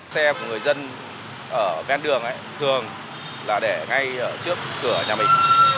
xe của người dân ở bên đường thường là để ngay trước cửa nhà mình